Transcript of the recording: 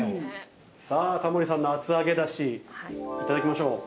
さあタモリさんの厚揚げダシいただきましょう。